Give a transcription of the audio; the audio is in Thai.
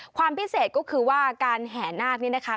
ความพิเศษก็คือว่าการแห่นาคนี้นะคะ